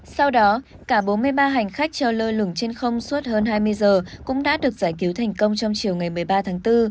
sau đó cả bốn mươi ba hành khách cho lơ lửng trên không suốt hơn hai mươi giờ cũng đã được giải cứu thành công trong chiều ngày một mươi ba tháng bốn